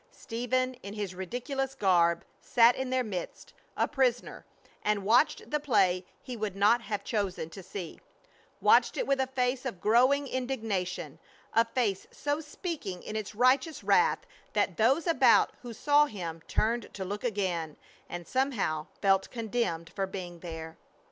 Stephen, in his ridiculous garb, sat in their midst, a prisoner, and watched the play he would not have chosen to see; watched it with a face of growing indignation; a face so speaking in its righteous wrath that those about who saw him turned to look again, and somehow felt condemned for being there.